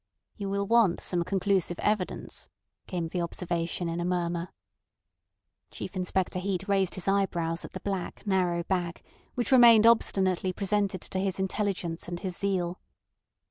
"You will want some conclusive evidence," came the observation in a murmur. Chief Inspector Heat raised his eyebrows at the black, narrow back, which remained obstinately presented to his intelligence and his zeal.